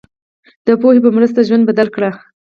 د پوهې په مرسته ژوند بدل کړئ.